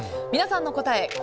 皆さんの答え